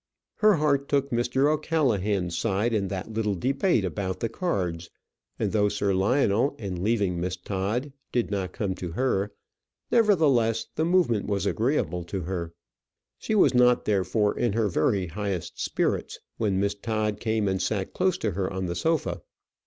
Her heart took Mr. O'Callaghan's side in that little debate about the cards; and though Sir Lionel, in leaving Miss Todd, did not come to her, nevertheless the movement was agreeable to her. She was not therefore in her very highest spirits when Miss Todd came and sat close to her on the sofa.